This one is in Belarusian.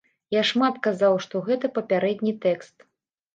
Я шмат казаў, што гэта папярэдні тэкст.